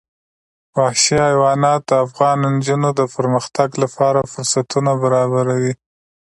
وحشي حیوانات د افغان نجونو د پرمختګ لپاره فرصتونه برابروي.